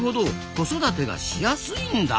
子育てがしやすいんだ。